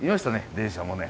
電車もね。